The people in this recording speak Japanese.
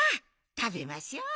たべましょう。